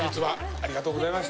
ありがとうございます